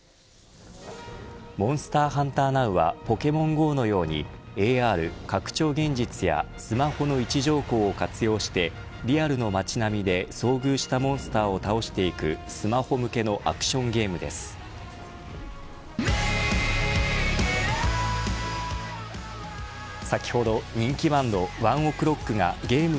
モンスターハンターＮｏｗはポケモンＧＯのようにＡＲ＝拡張現実やスマホの位置情報を活用してリアルの街並みで遭遇したモンスターを倒渡邊選手の試合を見ながら飲むのは最高なんですよ。